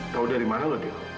kau dari mana lo dil